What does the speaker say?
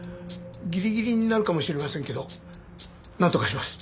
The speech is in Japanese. ギリギリになるかもしれませんけどなんとかします。